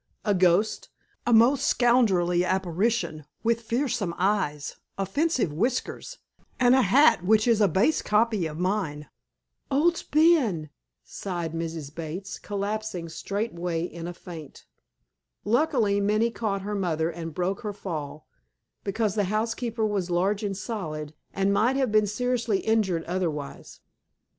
"A ghost, a most scoundrelly apparition, with fearsome eyes, offensive whiskers, and a hat which is a base copy of mine." "Owd Ben!" sighed Mrs. Bates, collapsing straightway in a faint. Luckily, Minnie caught her mother and broke her fall, because the housekeeper was large and solid, and might have been seriously injured otherwise.